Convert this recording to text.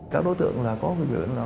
các đối tượng là có vụ dưỡng là